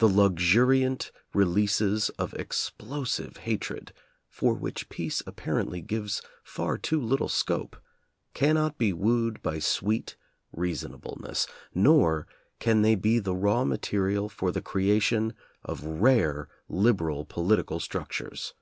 The luxuriant re leases of explosive hatred for which peace ap parently gives far too little scope cannot be wooed by sweet reasonableness, nor can they be the raw material for the creation of rare liberal political structures.